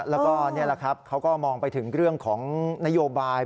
แล้วก็นี่แหละครับเขาก็มองไปถึงเรื่องของนโยบาย